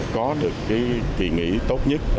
có được kỳ nghỉ tốt nhất